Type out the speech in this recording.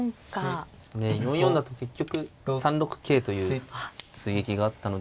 そうですね４四だと結局３六桂という追撃があったので。